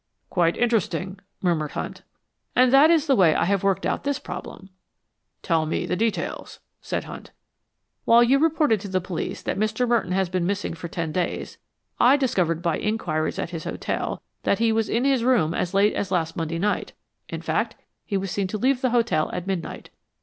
"Quite interesting," murmured Hunt. "And that is the way I have worked out this problem." "Tell me the details," said Hunt. "While you reported to the police that Mr. Merton had been missing for ten days, I discovered by inquiries at his hotel that he was in his room as late as last Monday night. In fact, he was seen to leave the hotel at midnight."